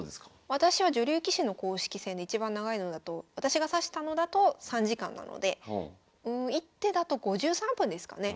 私は女流棋士の公式戦でいちばん長いのだと私が指したのだと３時間なので１手だと５３分ですかね。